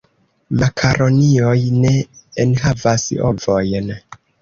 Makaronioj ne enhavas ovojn.